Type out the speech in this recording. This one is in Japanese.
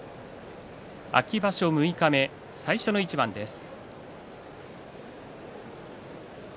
秋場所六日目、最初の一番です。